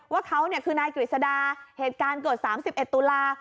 ว่าเขาคือนายกฤษดาเหตุการณ์เกิด๓๑ตุลา